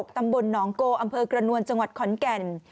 ตำบลหนองโกอำเภอกระนวลจังหวัดขอนแก่น